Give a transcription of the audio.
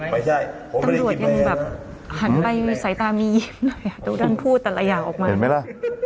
แบบหันไปใส่ตามียิ้มดูด้านพูดแต่ละอย่างออกมา